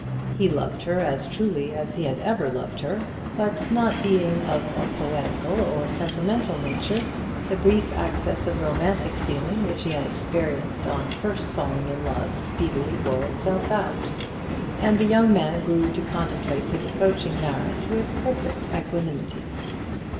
He loved her as truly as he had ever loved her; but not being of a poetical or sentimental nature, the brief access of romantic feeling which he had experienced on first falling in love speedily wore itself out, and the young man grew to contemplate his approaching marriage with perfect equanimity.